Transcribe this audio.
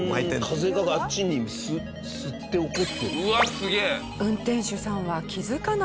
風があっちに吸って起こってる？